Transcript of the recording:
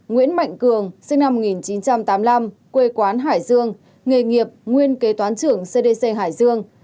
nguyễn mạnh cường sinh năm một nghìn chín trăm tám mươi năm quê quán hải dương nghề nghiệp nguyên kế toán trưởng cdc hải dương